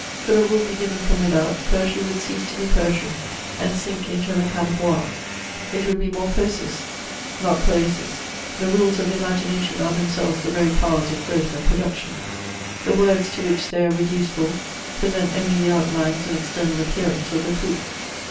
Could a rule be given from without, poetry would cease to be poetry, and sink into a mechanical art. It would be morphosis, not poiaesis. The rules of the Imagination are themselves the very powers of growth and production. The words to which they are reducible, present only the outlines and external appearance of the fruit.